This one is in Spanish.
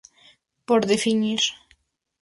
Por definir.